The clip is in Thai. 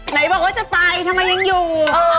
ไหนบอกว่าจะไปทำไมยังอยู่